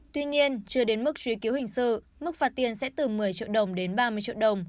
tuy nhiên chưa đến mức truy cứu hình sự mức phạt tiền sẽ từ một mươi triệu đồng đến ba mươi triệu đồng